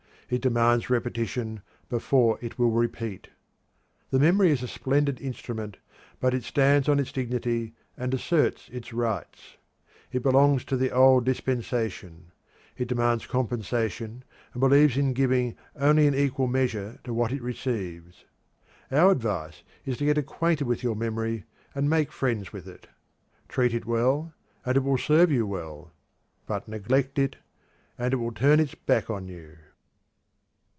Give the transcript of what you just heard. It demands repetition before it will repeat. The memory is a splendid instrument, but it stands on its dignity and asserts its rights. It belongs to the old dispensation it demands compensation and believes in giving only in equal measure to what it receives. Our advice is to get acquainted with your memory, and make friends with it. Treat it well and it will serve you well. But neglect it, and it will turn its back on you.